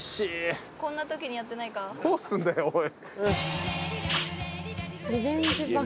どうすんだよおい。